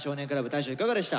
大昇いかがでした？